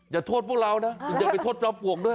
อย่าโทษพวกเรานะอย่าไปโทษจอมปลวกด้วย